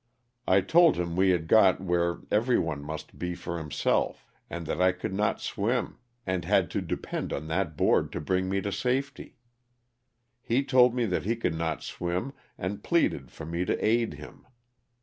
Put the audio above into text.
I told him we had got where every one must be for himself, and that I could not swim and had to depend on that board to bring me to safety. He told me that he could not swim and pleaded for me to aid him.